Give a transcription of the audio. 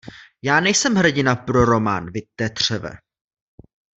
Já nejsem hrdina pro román, vy tetřeve!